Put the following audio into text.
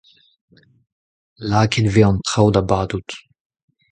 Lakaet e vez an traoù da badout.